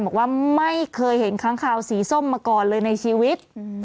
บอกว่าไม่เคยเห็นค้างคาวสีส้มมาก่อนเลยในชีวิต